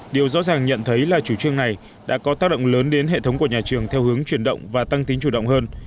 điều rõ ràng nhận thấy là chủ trương này đã có tác động lớn đến hệ thống của nhà trường theo hướng chuyển động và tăng tính chủ động hơn